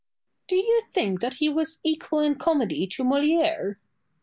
Do you think that he was equal in comedy to Moliere?